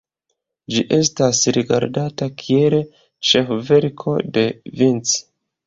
Ĝi estas rigardata kiel ĉefverko de Vinci.